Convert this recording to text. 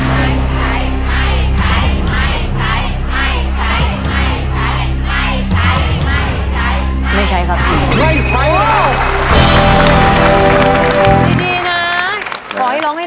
ไม่ใช้ไม่ใช้ไม่ใช้ไม่ใช้ไม่ใช้ไม่ใช้ไม่ใช้